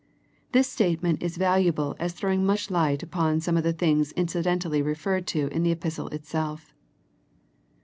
This statement is valu able as throwing much light upon some of the things incidentally referred to in the epistle itself.